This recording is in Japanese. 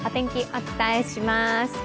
お伝えします。